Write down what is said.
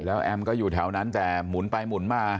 แล้วแอมก็อยู่แถวนั้นแต่หมุนไปหมุนมา